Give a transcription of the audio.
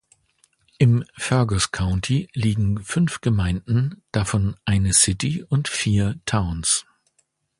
Im Fergus County liegen fünf Gemeinden, davon eine "City" und vier "Towns".